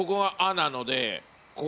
なので